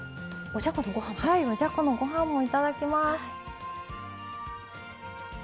おじゃこのご飯もいただきます。